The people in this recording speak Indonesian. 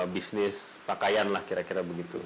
bisnis pakaian lah kira kira begitu